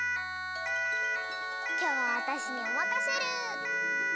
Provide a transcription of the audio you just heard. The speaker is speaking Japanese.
きょうはわたしにおまかシェル。